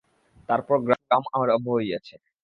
তারপর গ্রাম আরম্ভ হইয়াছে।